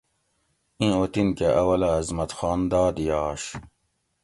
ایں اوطن کہ اولہ عظمت خان داد یاش